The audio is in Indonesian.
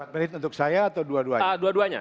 empat menit untuk saya atau dua duanya